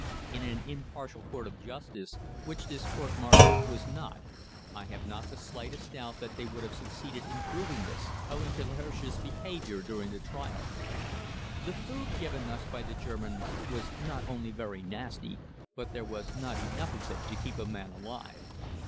In an impartial court of justice, which this court martial was not, I have not the smallest doubt that they would have succeeded in proving this, owing to L'Hirsch's behavior during the trial. The food given us by the Germans was not only very nasty, but there was not enough of it to keep a man alive.